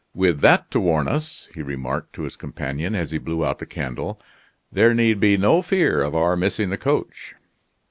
"With that to warn us," he remarked to his companion, as he blew out the candle, "there need be no fear of our missing the coach."